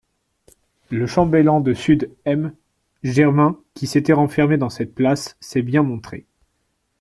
Le chambellan de sud M., Germain, qui s'était renfermé dans cette place, s'est bien montré.